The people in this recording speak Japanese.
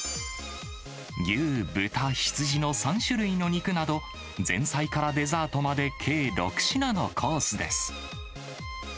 牛、豚、羊の３種類の肉など、前菜からデザートまで計６品のコースです。